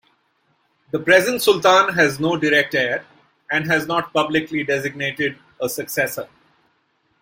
The present Sultan has no direct heir, and has not publicly designated a successor.